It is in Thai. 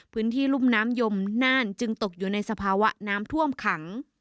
รุ่มน้ำยมน่านจึงตกอยู่ในสภาวะน้ำท่วมขัง